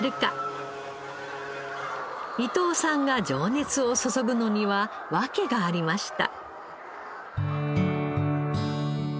伊藤さんが情熱を注ぐのには訳がありました。